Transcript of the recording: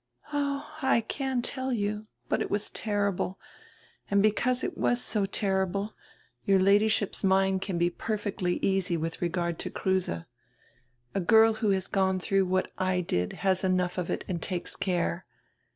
"Oh, I can tell you. But it was terrible. And because it was so terrible, your Ladyship's mind can be perfectly easy with regard to Kruse. A girl who has gone through what I did has enough of it and takes care.